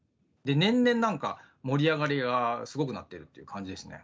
年々なんか盛り上がりがすごくなっているって感じですね。